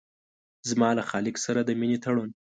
زما له خالق سره د مينې تړون